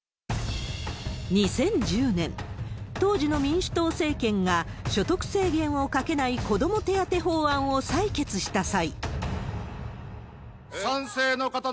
２０１０年、当時の民主党政権が、所得制限をかけない子ども手当法案を採決した際。